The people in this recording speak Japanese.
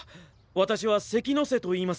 私は関ノ瀬といいます。